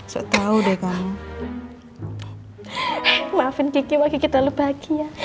setau deh kamu maafin kiki kiki terlalu bahagia